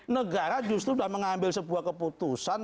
negara justru sudah mengambil sebuah keputusan